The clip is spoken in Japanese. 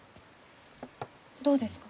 どうですか？